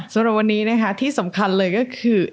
สำหรับวันนี้นะคะที่สำคัญเลยก็คือ